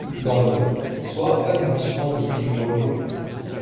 Dans le. soir vaguement splendide et glorieux